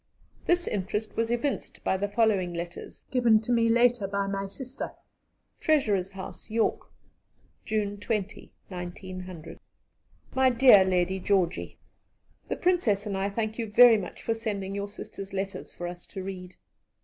This interest was evinced by the following letters, given to me later by my sister: "TREASURER'S HOUSE, "YORK "June 20, 1900. MY DEAR LADY GEORGIE. "The Princess and I thank you very much for sending your sister's letters for us to read.